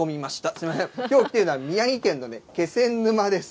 すみません、きょう来ているのは宮城県の気仙沼です。